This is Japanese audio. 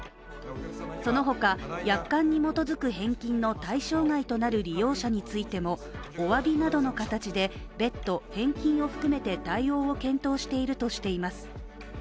そのほか、約款に基づく返金の対象外となる利用者についてもおわびなどの形で別途返金を含めて対応を検討しているとしています。